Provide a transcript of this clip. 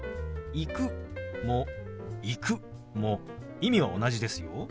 「行く」も「行く」も意味は同じですよ。